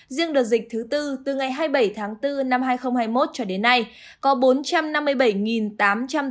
riêng đợt dịch thứ tư từ ngày hai mươi bảy tháng bốn năm hai nghìn hai mươi một cho đến nay có bốn trăm năm mươi bảy tám trăm tám mươi hai ca